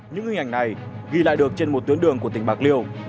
những hình ảnh này ghi lại được trên một tuyến đường của tỉnh bạc liêu